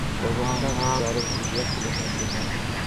როგორც ჩანს, მგზავრობის იდეა სპილოს არ ხიბლავდა.